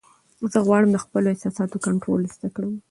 زه غواړم د خپلو احساساتو کنټرول زده کړم.